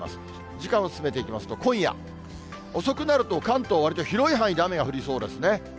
時間を進めていきますと、今夜、遅くなると関東、わりと広い範囲で雨が降りそうですね。